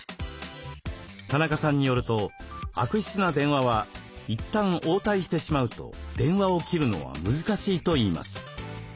田中さんによると悪質な電話はいったん応対してしまうと電話を切るのは難しいといいます。